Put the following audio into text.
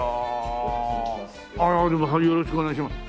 よろしくお願いします。